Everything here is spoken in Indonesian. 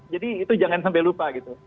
jadi itu jangan sampai lupa gitu